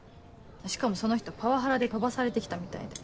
しかもその人パワハラで飛ばされて来たみたいで。